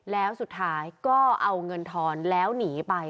แล้วสุดท้ายก็เอาเงินทอนแล้วหนีไป